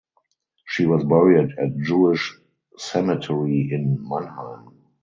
She was buried at Jewish cemetery in Mannheim.